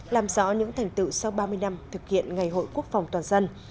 làm rõ những thành tựu sau ba mươi năm thực hiện ngày hội quốc phòng toàn dân